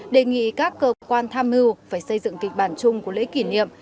đề nghị các cơ quan tham mưu phải xây dựng kịch bản chung của lễ kỷ niệm